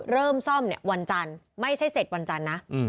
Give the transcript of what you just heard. เริ่มซ่อมเนี่ยวันจันทร์ไม่ใช่เสร็จวันจันทร์นะ